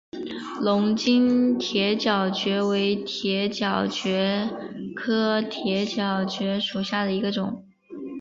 龙津铁角蕨为铁角蕨科铁角蕨属下的一个种。